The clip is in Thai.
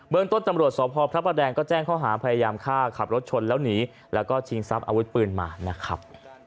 เมืองต้นตำรวจสพพระประแดงก็แจ้งข้อหาพยายามฆ่าขับรถชนแล้วหนีแล้วก็ชิงทรัพย์อาวุธปืนมานะครับ